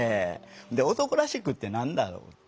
で男らしくって何だろうって。